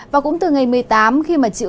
và cũng từ ngày một mươi tám khi mà chịu